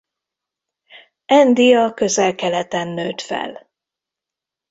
Andy a Közel-Keleten nőtt fel.